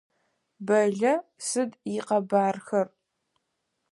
Бэллэ сыд икъэбархэр?